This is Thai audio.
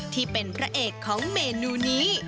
ที่เป็นพระเอกของเมนูนี้